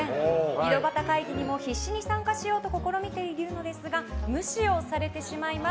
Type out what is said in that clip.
井戸端会議にも必死に参加しようと試みているのですが無視をされてしまいます。